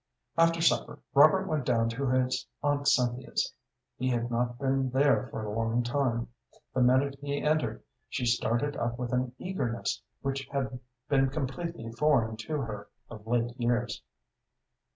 After supper Robert went down to his aunt Cynthia's. He had not been there for a long time. The minute he entered she started up with an eagerness which had been completely foreign to her of late years.